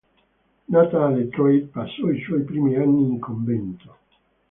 Nata a Detroit, passò i suoi primi anni in convento.